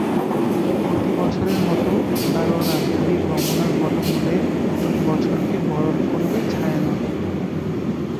প্রতিবছরের মতো এবারও রাজধানীর রমনার বটমূলে নতুন বছরকে বরণ করবে ছায়ানট।